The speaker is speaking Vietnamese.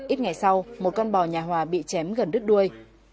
ít ngày sau một con bò nhà hòa bị chém gần đứt đuôi